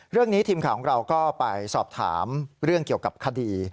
เรื่องนี้ทีมของเราก็ไปสอบถามเรื่องเกี่ยวกับคดี